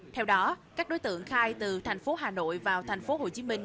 theo đó các đối tượng khai từ thành phố hà nội vào thành phố hồ chí minh